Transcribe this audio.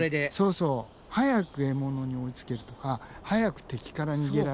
早く獲物に追いつけるとか早く敵から逃げられる。